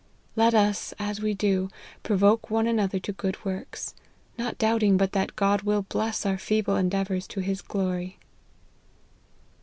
Let us, as we do, provoke one another to good works, not doubting but that God will bless our feeble endeavours to his glory."